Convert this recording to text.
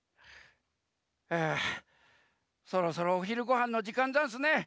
はあそろそろおひるごはんのじかんざんすね。